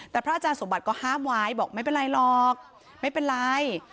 แต่พระอาจารย์สมบัติก็ห้ามไว้บอกไม่เป็นไรหรอกไม่เป็นไร